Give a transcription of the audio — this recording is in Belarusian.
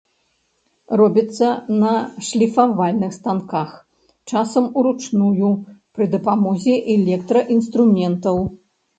Робіцца на шліфавальных станках, часам уручную пры дапамозе электраінструментаў.